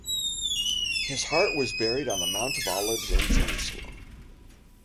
His heart was buried on the Mount of Olives in Jerusalem.